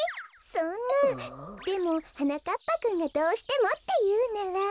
そんなでもはなかっぱくんがどうしてもっていうなら。